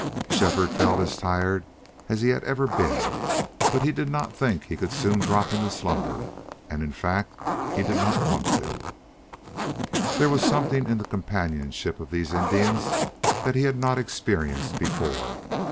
Shefford felt as tired as he had ever been, but he did not think he could soon drop into slumber, and in fact he did not want to. There was something in the companionship of these Indians that he had not experienced before.